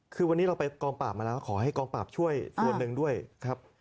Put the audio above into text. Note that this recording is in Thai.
คือวันนี้เราไปกองปราบมาแล้วขอให้กองปราบช่วยส่วนหนึ่งด้วยครับ